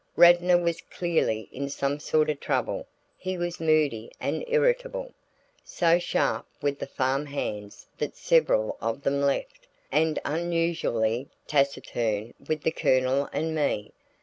Radnor was clearly in some sort of trouble; he was moody and irritable, so sharp with the farm hands that several of them left, and unusually taciturn with the Colonel and me.